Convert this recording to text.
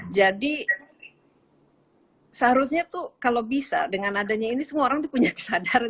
jadi seharusnya tuh kalau bisa dengan adanya ini semua orang punya kesadaran